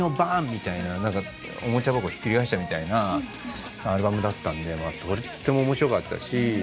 みたいな何かおもちゃ箱をひっくり返したみたいなアルバムだったんでとっても面白かったし。